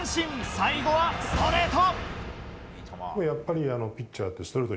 最後はストレート！